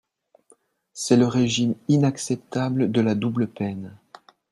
C’est le régime inacceptable de la double peine